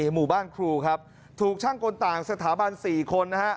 หมู่บ้านครูครับถูกช่างกลต่างสถาบัน๔คนนะฮะ